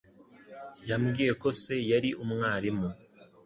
Yambwiye ko se yari umwarimu.